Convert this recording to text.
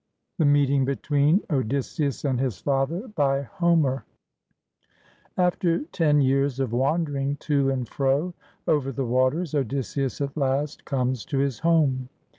THE MEETING BETWEEN ODYSSEUS AND HIS FATHER BY HOMER [After ten years of wandering to and fro over the waters, Odysseus at last comes to his home.